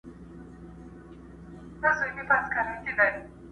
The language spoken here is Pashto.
دا له زمان سره جنګیږي ونه!.